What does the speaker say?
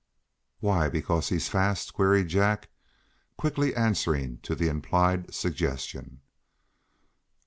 "Why because he's fast?" queried Jack, quickly answering to the implied suggestion.